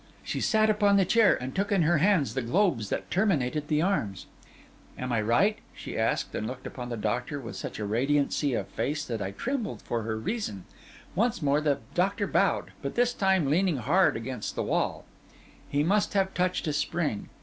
She sate upon the chair, and took in her hands the globes that terminated the arms. 'Am I right?' she asked, and looked upon the doctor with such a radiancy of face that I trembled for her reason. Once more the doctor bowed, but this time leaning hard against the wall. He must have touched a spring.